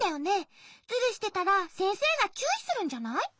ズルしてたらせんせいがちゅういするんじゃない？